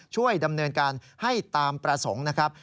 ช่วยดำเนินการให้ตามประสงค์นะครับ